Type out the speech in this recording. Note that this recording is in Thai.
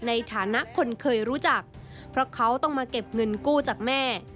ในฐานะคนเคยรู้จักเพราะเขาต้องมาเก็บเงินกู้จากแม่